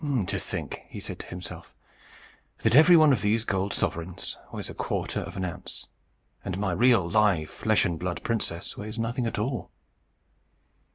"To think," said he to himself, "that every one of these gold sovereigns weighs a quarter of an ounce, and my real, live, flesh and blood princess weighs nothing at all!"